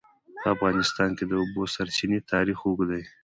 په افغانستان کې د د اوبو سرچینې تاریخ اوږد دی.